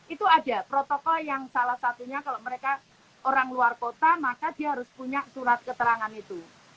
itu ada protokol yang salah satunya kalau mereka orang luar kota maka dia harus punya surat keterangan itu